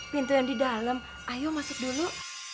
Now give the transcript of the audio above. pintu yang di dalam ayo masuk dulu